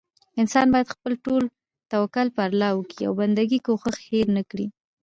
انسان بايد خپل ټول توکل پر الله وکي او بندګي کوښښ هير نه کړي